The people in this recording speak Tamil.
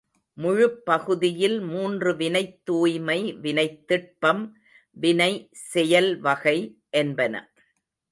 முழுப்பகுதியில் மூன்று வினைத்தூய்மை, வினைத்திட்பம், வினை செயல்வகை—என்பன.